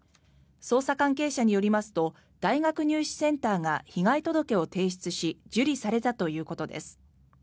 捜査関係者によりますと大学入試センターが被害届を提出し受理されたということです。